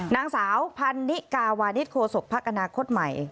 นางสาวพันนิกาวาดิทโครโศกพักอนาคตไหม